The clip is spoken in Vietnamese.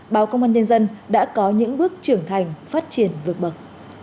báo công an nhân dân đã có những bước trưởng thành phát triển vượt bậc